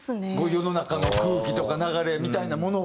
世の中の空気とか流れみたいなものは。